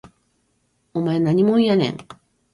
お前何もんやねん